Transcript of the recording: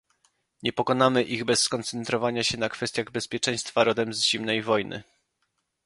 Nie pokonamy ich bez skoncentrowania się na kwestiach bezpieczeństwa rodem z Zimnej Wojny